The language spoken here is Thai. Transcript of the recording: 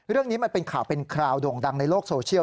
เรื่องนี้มันเป็นข่าวเป็นคราวโด่งดังในโลกโซเชียล